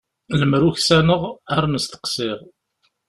Lemmer uksaneɣ ar n-steqsiɣ.